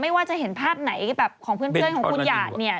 ว่าจะเห็นภาพไหนแบบของเพื่อนของคุณหยาดเนี่ย